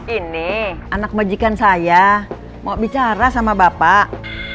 ini anak majikan saya mau bicara sama bapak